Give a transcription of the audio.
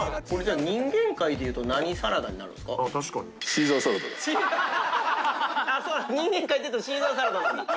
ああ確かに人間界でいうとシーザーサラダなんだ